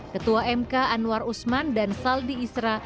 ketua mk anwar usman dan saldi isra